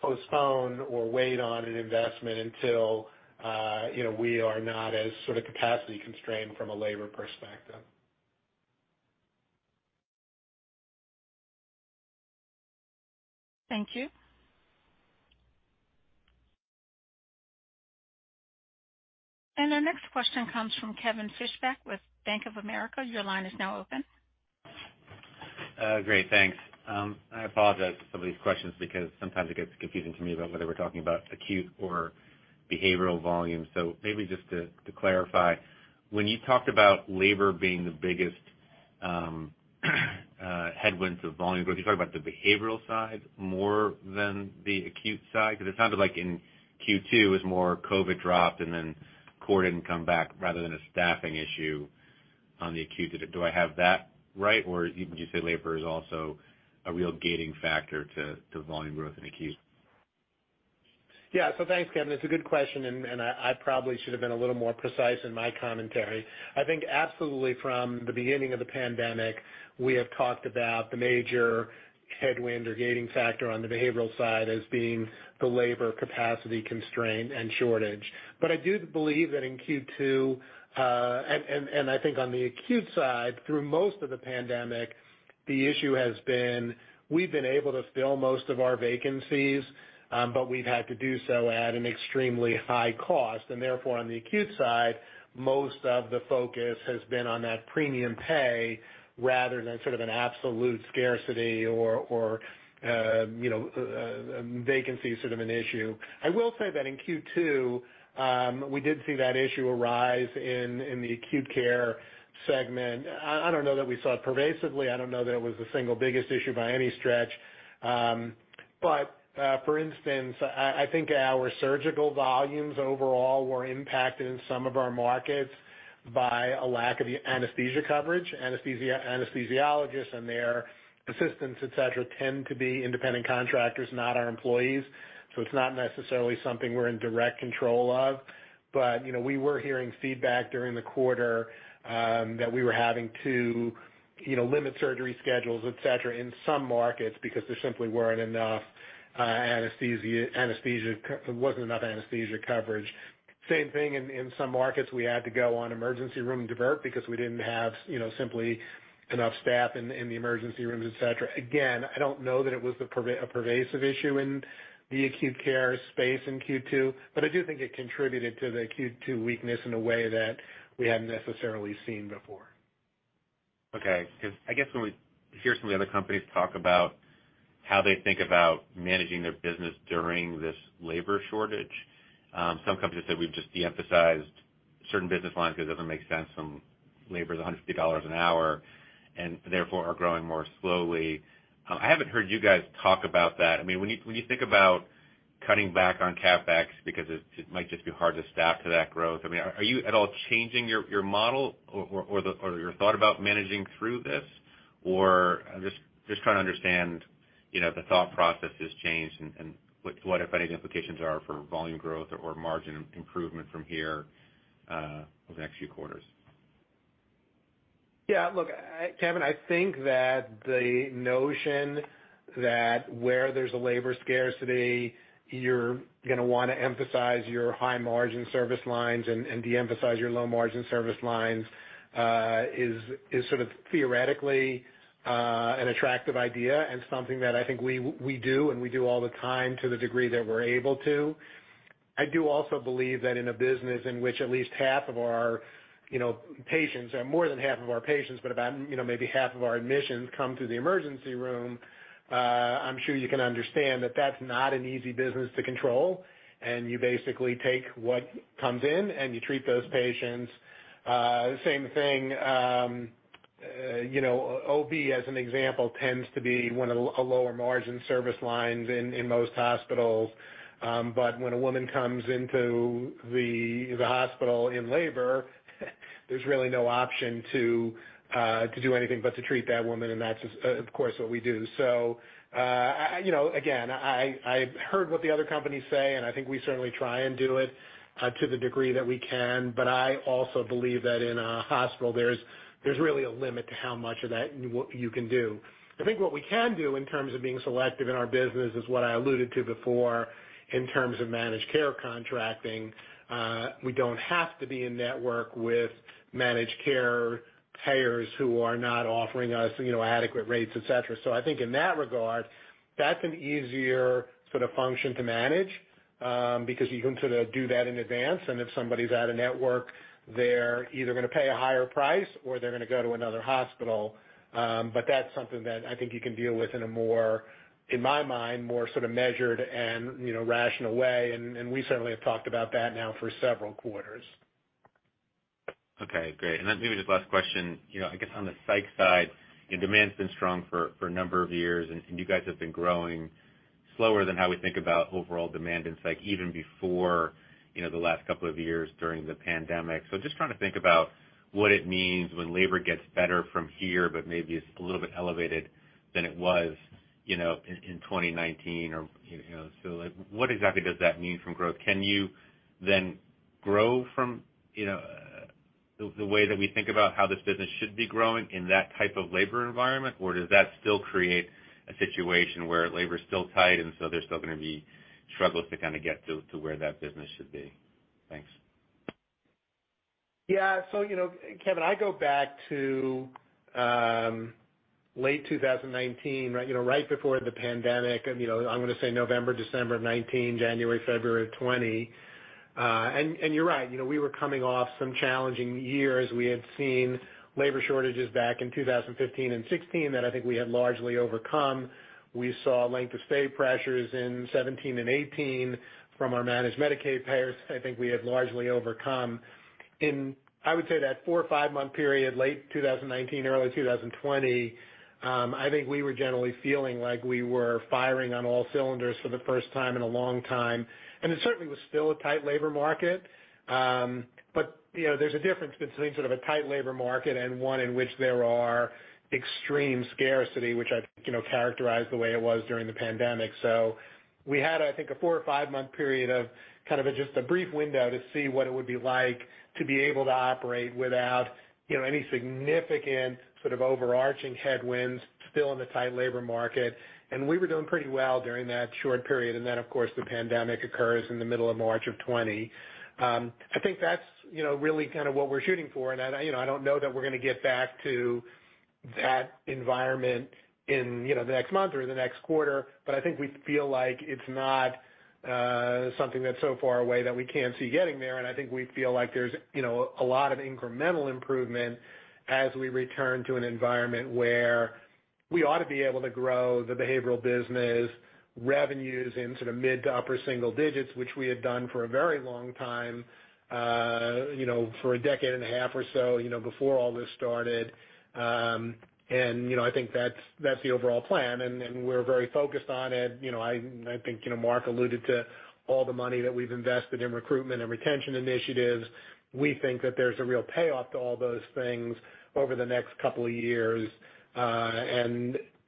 postpone or wait on an investment until, you know, we are not as sort of capacity constrained from a labor perspective. Thank you. Our next question comes from Kevin Fischbeck with Bank of America. Your line is now open. Great, thanks. I apologize for some of these questions because sometimes it gets confusing to me about whether we're talking about acute or behavioral volume. Maybe just to clarify, when you talked about labor being the biggest headwind to volume growth, you're talking about the behavioral side more than the acute side? Because it sounded like in Q2, it was more COVID dropped and then core didn't come back rather than a staffing issue on the acute. Do I have that right? Or would you say labor is also a real gating factor to volume growth in acute? Yeah. Thanks, Kevin. It's a good question, and I probably should have been a little more precise in my commentary. I think absolutely from the beginning of the pandemic, we have talked about the major headwind or gating factor on the behavioral side as being the labor capacity constraint and shortage. I do believe that in Q2 and I think on the acute side, through most of the pandemic, the issue has been we've been able to fill most of our vacancies, but we've had to do so at an extremely high cost. Therefore, on the acute side, most of the focus has been on that premium pay rather than sort of an absolute scarcity or, you know, a vacancy sort of an issue. I will say that in Q2, we did see that issue arise in the acute care segment. I don't know that we saw it pervasively. I don't know that it was the single biggest issue by any stretch. For instance, I think our surgical volumes overall were impacted in some of our markets by a lack of anesthesia coverage. Anesthesiologists and their assistants, et cetera, tend to be independent contractors, not our employees. It's not necessarily something we're in direct control of. You know, we were hearing feedback during the quarter that we were having to, you know, limit surgery schedules, et cetera, in some markets because there simply wasn't enough anesthesia coverage. Same thing in some markets, we had to go on emergency room divert because we didn't have, you know, simply enough staff in the emergency rooms, et cetera. Again, I don't know that it was a pervasive issue in the acute care space in Q2, but I do think it contributed to the Q2 weakness in a way that we hadn't necessarily seen before. Okay. Because I guess when we hear some of the other companies talk about how they think about managing their business during this labor shortage, some companies said we've just de-emphasized certain business lines because it doesn't make sense when labor is $150 an hour, and therefore are growing more slowly. I haven't heard you guys talk about that. I mean, when you think about cutting back on CapEx because it might just be hard to staff to that growth, I mean, are you at all changing your model or your thought about managing through this? I'm just trying to understand, you know, the thought process has changed and what if any implications are for volume growth or margin improvement from here over the next few quarters. Yeah. Look, Kevin, I think that the notion that where there's a labor scarcity, you're gonna wanna emphasize your high margin service lines and de-emphasize your low margin service lines is sort of theoretically an attractive idea and something that I think we do and we do all the time to the degree that we're able to. I do also believe that in a business in which at least half of our, you know, patients, or more than half of our patients, but about, you know, maybe half of our admissions come through the emergency room. I'm sure you can understand that that's not an easy business to control, and you basically take what comes in and you treat those patients. Same thing, you know, OB, as an example, tends to be one of a lower margin service lines in most hospitals. When a woman comes into the hospital in labor, there's really no option to do anything but to treat that woman, and that's, of course, what we do. You know, again, I heard what the other companies say, and I think we certainly try and do it to the degree that we can. I also believe that in a hospital, there's really a limit to how much of that you can do. I think what we can do in terms of being selective in our business is what I alluded to before. In terms of managed care contracting, we don't have to be in network with managed care payers who are not offering us, you know, adequate rates, et cetera. I think in that regard, that's an easier sort of function to manage, because you can sort of do that in advance, and if somebody's out of network, they're either gonna pay a higher price or they're gonna go to another hospital. That's something that I think you can deal with in a more, in my mind, more sort of measured and, you know, rational way. We certainly have talked about that now for several quarters. Okay, great. Maybe just last question, you know, I guess on the psych side, you know, demand's been strong for a number of years and you guys have been growing slower than how we think about overall demand in psych even before, you know, the last couple of years during the pandemic. Just trying to think about what it means when labor gets better from here, but maybe it's a little bit elevated than it was, you know, in 2019 or, you know. Like what exactly does that mean from growth? Can you then grow from, you know, the way that we think about how this business should be growing in that type of labor environment? does that still create a situation where labor is still tight and so there's still gonna be struggles to kind of get to where that business should be? Thanks. Yeah. You know, Kevin, I go back to late 2019, right, you know, right before the pandemic and, you know, I'm gonna say November, December of 2019, January, February of 2020. You're right, you know, we were coming off some challenging years. We had seen labor shortages back in 2015 and 2016 that I think we had largely overcome. We saw length of stay pressures in 2017 and 2018 from our managed Medicaid payers I think we have largely overcome. I would say that four or five month period, late 2019, early 2020, I think we were generally feeling like we were firing on all cylinders for the first time in a long time. It certainly was still a tight labor market. You know, there's a difference between sort of a tight labor market and one in which there are extreme scarcity, which I think, you know, characterized the way it was during the pandemic. We had, I think, a four or five month period of kind of just a brief window to see what it would be like to be able to operate without, you know, any significant sort of overarching headwinds still in the tight labor market. We were doing pretty well during that short period. Of course, the pandemic occurs in the middle of March of 2020. I think that's, you know, really kind of what we're shooting for. I, you know, I don't know that we're gonna get back to that environment in, you know, the next month or the next quarter, but I think we feel like it's not something that's so far away that we can't see getting there. I think we feel like there's, you know, a lot of incremental improvement as we return to an environment where we ought to be able to grow the behavioral business revenues in sort of mid to upper single digits, which we had done for a very long time, you know, for a decade and a half or so, you know, before all this started. You know, I think that's the overall plan, and we're very focused on it. You know, I think, you know, Mark alluded to all the money that we've invested in recruitment and retention initiatives. We think that there's a real payoff to all those things over the next couple of years.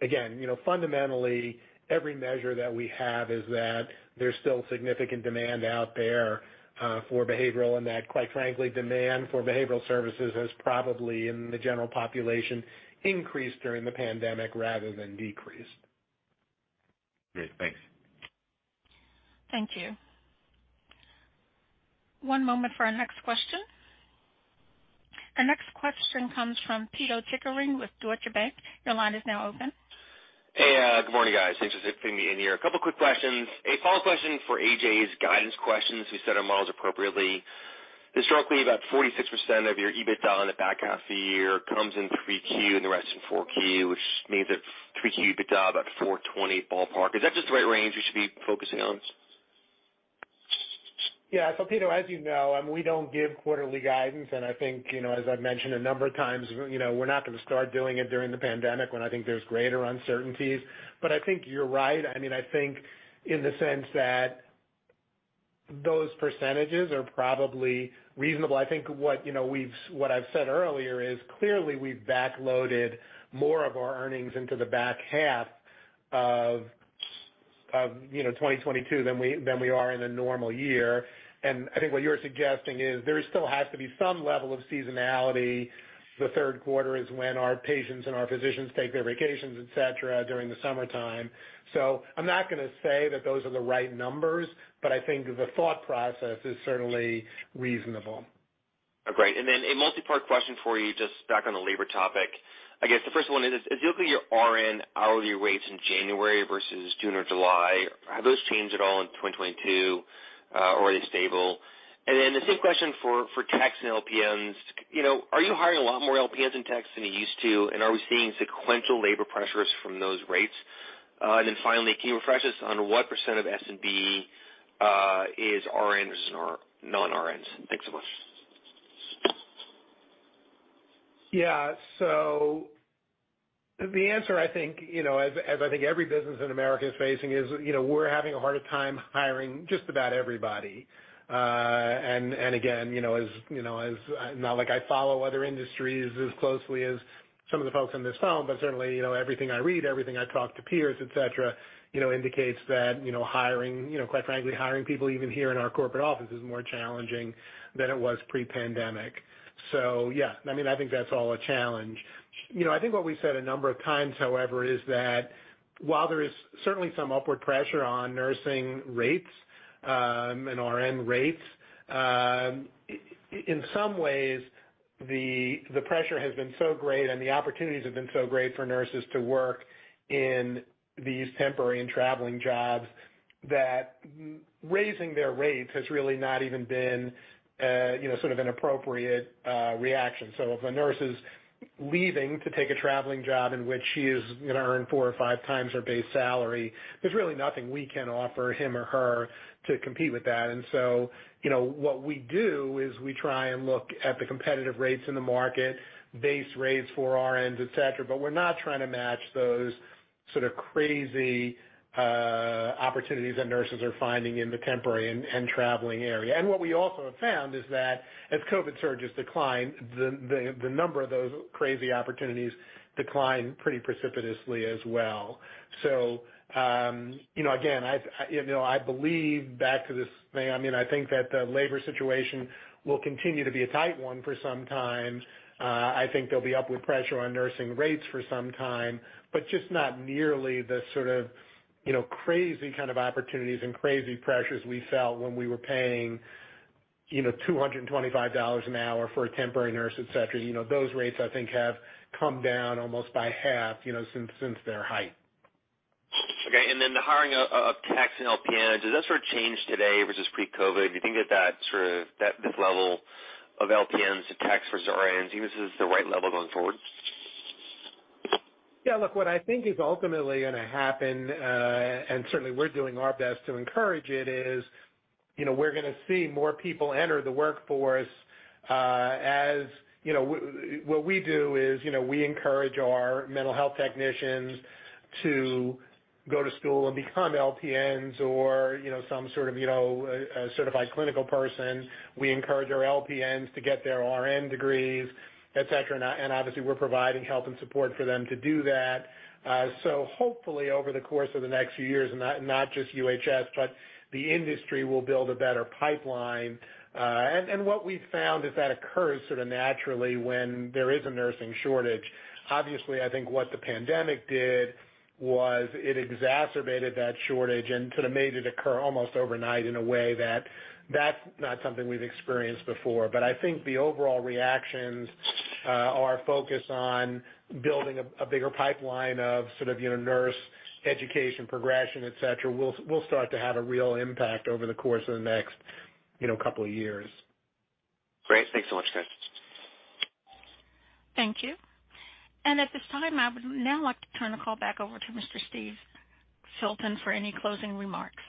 Again, you know, fundamentally, every measure that we have is that there's still significant demand out there for behavioral, and that quite frankly, demand for behavioral services has probably in the general population, increased during the pandemic rather than decreased. Great. Thanks. Thank you. One moment for our next question. Our next question comes from Pito Chickering with Deutsche Bank. Your line is now open. Hey, good morning, guys. Thanks for fitting me in here. A couple of quick questions. A follow-up question for A.J.'s guidance questions. We set our models appropriately. Historically, about 46% of your EBITDA in the back half of the year comes in 3Q and the rest in 4Q, which means that 3Q EBITDA, about $420 ballpark. Is that just the right range we should be focusing on? Yeah. Pito, as you know, I mean, we don't give quarterly guidance. I think, you know, as I've mentioned a number of times, you know, we're not gonna start doing it during the pandemic when I think there's greater uncertainties. I think you're right. I mean, I think in the sense that those percentages are probably reasonable. I think what I've said earlier is clearly we've backloaded more of our earnings into the back half of 2022 than we are in a normal year. I think what you're suggesting is there still has to be some level of seasonality. The third quarter is when our patients and our physicians take their vacations, et cetera, during the summertime. I'm not gonna say that those are the right numbers, but I think the thought process is certainly reasonable. Great. Then a multipart question for you, just back on the labor topic. I guess the first one is, if you look at your RN hourly rates in January versus June or July, have those changed at all in 2022, or are they stable? Then the same question for techs and LPNs. You know, are you hiring a lot more LPNs and techs than you used to? And are we seeing sequential labor pressures from those rates? Then finally, can you refresh us on what percent of S&B is RNs and non-RNs? Thanks so much. Yeah. The answer I think, you know, as I think every business in America is facing is, you know, we're having a harder time hiring just about everybody. And again, you know, as you know, not like I follow other industries as closely as some of the folks on this call, but certainly, you know, everything I read, everything I talk to peers, et cetera, you know, indicates that, you know, hiring, you know, quite frankly, hiring people even here in our corporate office is more challenging than it was pre-pandemic. Yeah, I mean, I think that's all a challenge. You know, I think what we said a number of times, however, is that while there is certainly some upward pressure on nursing rates, and RN rates, in some ways, the pressure has been so great and the opportunities have been so great for nurses to work in these temporary and traveling jobs that raising their rates has really not even been, you know, sort of an appropriate reaction. If a nurse is leaving to take a traveling job in which she is gonna earn four or five times her base salary, there's really nothing we can offer him or her to compete with that. You know, what we do is we try and look at the competitive rates in the market, base rates for RNs, et cetera, but we're not trying to match those sort of crazy opportunities that nurses are finding in the temporary and traveling area. What we also have found is that as COVID surges decline, the number of those crazy opportunities decline pretty precipitously as well. You know, again, I you know, I believe back to this thing, I mean, I think that the labor situation will continue to be a tight one for some time. I think there'll be upward pressure on nursing rates for some time, but just not nearly the sort of, you know, crazy kind of opportunities and crazy pressures we felt when we were paying, you know, $225 an hour for a temporary nurse, et cetera. You know, those rates I think have come down almost by half, you know, since their height. The hiring of techs and LPNs, does that sort of change today versus pre-COVID? Do you think that this level of LPNs to techs versus RNs, do you think this is the right level going forward? Yeah. Look, what I think is ultimately gonna happen, and certainly we're doing our best to encourage it, is, you know, we're gonna see more people enter the workforce, as you know. What we do is, you know, we encourage our mental health technicians to go to school and become LPNs or, you know, some sort of, you know, a certified clinical person. We encourage our LPNs to get their RN degrees, et cetera. And obviously we're providing help and support for them to do that. So hopefully over the course of the next few years, and not just UHS, but the industry will build a better pipeline. And what we've found is that occurs sort of naturally when there is a nursing shortage. Obviously, I think what the pandemic did was it exacerbated that shortage and sort of made it occur almost overnight in a way that that's not something we've experienced before. But I think the overall reactions are focused on building a bigger pipeline of sort of, you know, nurse education progression, et cetera. We'll start to have a real impact over the course of the next, you know, couple of years. Great. Thanks so much, Steve. Thank you. At this time I would now like to turn the call back over to Mr. Steve Filton for any closing remarks.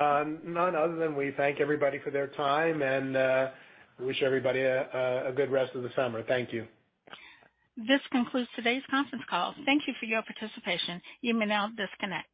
None other than we thank everybody for their time, and we wish everybody a good rest of the summer. Thank you. This concludes today's conference call. Thank you for your participation. You may now disconnect.